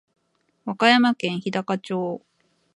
和歌山県日高町